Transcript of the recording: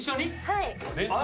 はい。